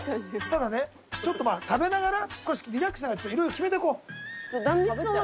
ただねちょっとまあ食べながら少しリラックスしながら色々決めていこう。